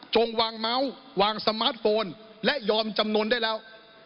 วางเมาส์วางสมาร์ทโฟนและยอมจำนวนได้แล้ว